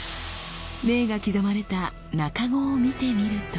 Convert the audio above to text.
銘が刻まれた茎を見てみると。